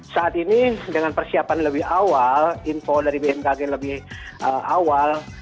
saat ini dengan persiapan lebih awal info dari bmkg lebih awal